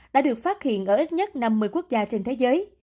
đã được phát hiện ở ít nhất năm mươi quốc gia trên thế giới